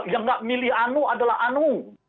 yang gak milih anu adalah anu